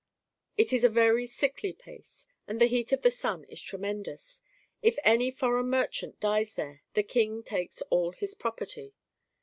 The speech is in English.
It is a very sickly place, and the heat of the sun is tremendous. If any foreign merchant dies there, the King takes all his property.